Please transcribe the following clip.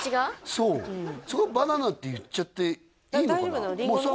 そうそこは「バナナ」って言っちゃっていいのかな？